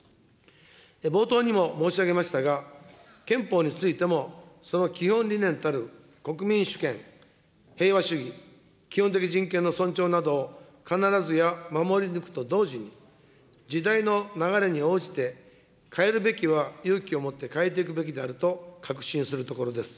冒頭にも申し上げましたが、憲法についても、その基本理念たる国民主権、平和主義、基本的人権の尊重などを必ずや守り抜くと同時に、時代の流れに応じて、変えるべきは勇気をもって変えていくべきであると確信するところです。